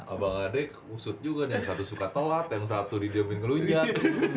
abang adek usut juga nih yang satu suka telat yang satu didiamin ngelunjak